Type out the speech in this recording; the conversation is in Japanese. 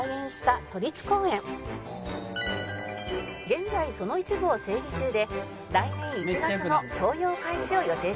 現在その一部を整備中で来年１月の供用開始を予定しています